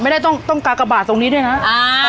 ไม่ได้ต้องต้องกากบาทตรงนี้ด้วยนะอ่า